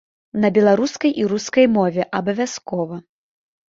На беларускай і рускай мове, абавязкова.